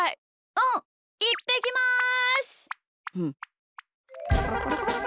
うんいってきます！